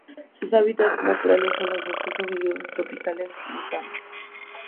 Sus hábitats naturales son los bosques húmedos tropicales montanos.